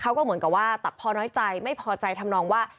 เขาก็เหมือนกับว่าตัดพอน้อยใจไม่พอใจทำนองว่า